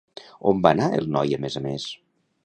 On va anar el noi a més a més?